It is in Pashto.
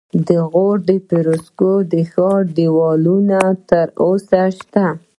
د غور د فیروزکوه د ښار دیوالونه تر اوسه شته